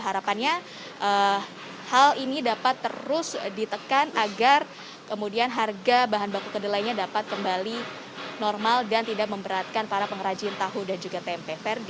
harapannya hal ini dapat terus ditekan agar kemudian harga bahan baku kedelainya dapat kembali normal dan tidak memberatkan para pengrajin tahu dan juga tempe